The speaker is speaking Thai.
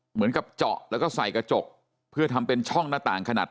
เหมือนกับเจาะแล้วก็ใส่กระจกเพื่อทำเป็นช่องหน้าต่างขนาด